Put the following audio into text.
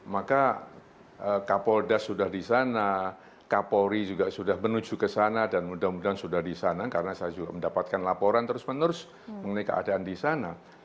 maka kapolda sudah di sana kapolri juga sudah menuju ke sana dan mudah mudahan sudah di sana karena saya juga mendapatkan laporan terus menerus mengenai keadaan di sana